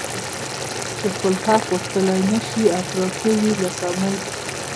چي خپل حق غوښتلای نه سي او پراته وي لکه مړي